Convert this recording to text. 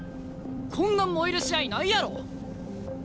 こんな燃える試合ないやろ！